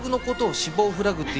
死亡フラグです。